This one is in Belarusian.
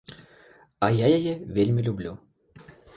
А я яе вельмі люблю.